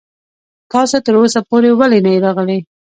تاسو تر اوسه پورې ولې نه يې راغلی.